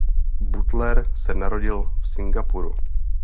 Butler se narodil v Singapuru.